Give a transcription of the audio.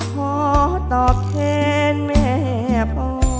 ขอตอบแทนแม่พ่อ